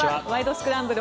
スクランブル」